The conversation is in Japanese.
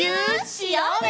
しようね！